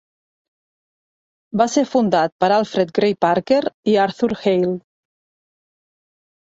Va ser fundat per Alfred Gray Parker i Arthur Hale.